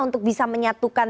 untuk bisa menyatukan